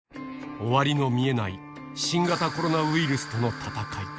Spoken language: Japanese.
終わりの見えない新型コロナウイルスとの闘い。